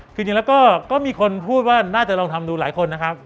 คือจริงแล้วก็มีคนพูดว่าน่าจะลองทำดูหลายคนนะครับ